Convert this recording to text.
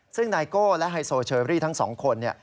ซึ่งนายโก้และไฮโซเชอรี่ทั้งสองคน